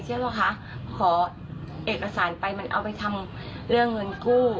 ใช่ป่ะคะขอเอกสารไปมันเอาไปทำเรื่องเงินกู้